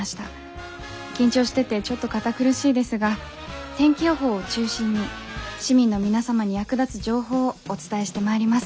緊張しててちょっと堅苦しいですが天気予報を中心に市民の皆様に役立つ情報をお伝えしてまいります。